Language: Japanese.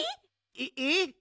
えっえっ？